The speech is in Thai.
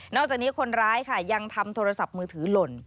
จากนี้คนร้ายค่ะยังทำโทรศัพท์มือถือหล่น